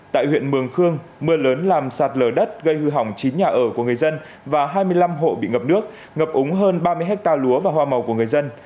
tại huyện mường khương mưa lớn làm sạt lở đất gây hư hỏng chín nhà ở của người dân và hai mươi năm hộ bị ngập nước ngập úng hơn ba mươi hectare lúa và hoa màu của người dân